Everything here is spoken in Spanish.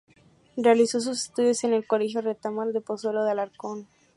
Realizó sus estudios en el Colegio Retamar de Pozuelo de Alarcón.